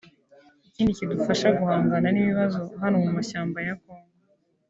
Ikindi kidufasha mu guhangana n’ibibazo hano mu mashyamba ya Kongo